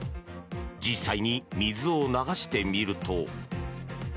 実際に水を流してみると。